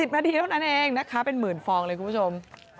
นาทีเท่านั้นเองนะคะเป็นหมื่นฟองเลยคุณผู้ชม